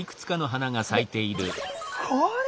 これ。